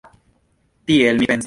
Tiel mi pensis.